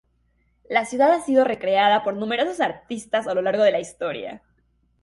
La ciudad ha sido recreada por numerosos artistas a lo largo de la historia.